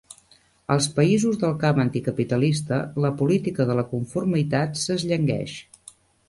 Als països del camp anticapitalista la política de la conformitat s'esllangueix.